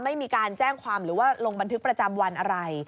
ไม่มีการแจ้งความหรือว่าลงบันทึกประจำวันอะไร